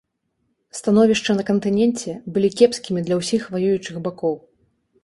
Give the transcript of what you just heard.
Становішча на кантыненце былі кепскімі для ўсіх ваюючых бакоў.